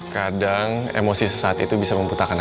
kadang emosi sesaat itu bisa memputarkan aku